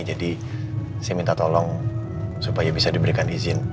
jadi saya minta tolong supaya bisa diberikan izin